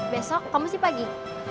besok kamu sih pagi